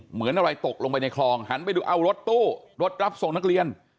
เหมือนอะไรตกลงไปในคลองหันไปดูเอารถตู้รถรับส่งนักเรียน